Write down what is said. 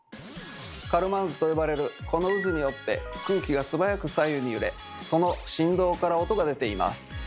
「カルマン渦」と呼ばれるこの渦によって空気が素早く左右に揺れその振動から音が出ています。